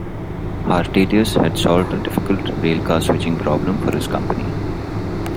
Hartelius had solved a difficult railcar switching problem for his company.